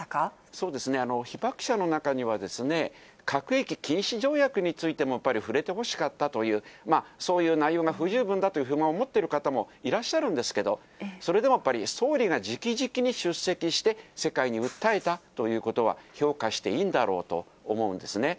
そうですね、被爆者の中には、核兵器禁止条約についてもやっぱり触れてほしかったという、そういう内容が不十分だという不満を持ってる方もいらっしゃるんですけれども、それでもやっぱり、総理がじきじきに出席して、世界に訴えたということは、評価していいだろうと思うんですね。